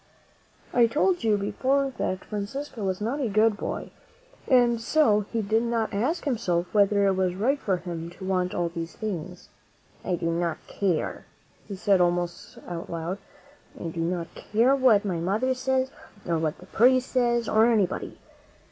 I told you before that Francisco was not a good boy, and so he did not ask himself whether it was right for him to want all these things. "I do not care," he said almost out loud; "I do not care what my mother says, or what the priest says, or anybody.